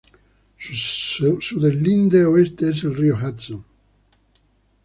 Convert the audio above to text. Su deslinde oeste es el río Hudson.